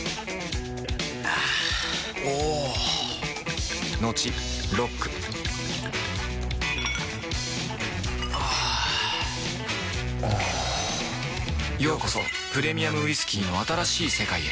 あぁおぉトクトクあぁおぉようこそプレミアムウイスキーの新しい世界へ